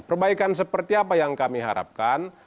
perbaikan seperti apa yang kami harapkan